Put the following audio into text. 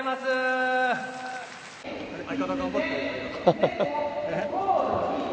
ハハハ。